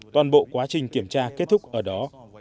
toàn bộ quá trình kiểm tra kết thúc ở đó